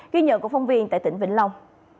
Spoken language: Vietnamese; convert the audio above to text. ghi nhận của phóng viên tại tỉnh vĩnh long